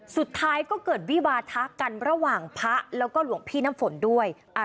สุดท้ายก็เกิดวิวาทะกันระหว่างพระแล้วก็หลวงพี่น้ำฝนด้วย